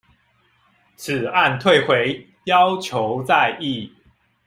此案退回要求再議